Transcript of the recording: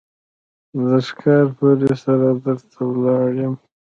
د ښکارپورۍ سره در ته ولاړ يم.